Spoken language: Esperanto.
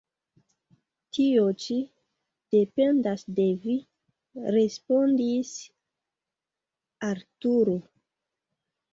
Tio ĉi dependas de vi, respondis Arturo.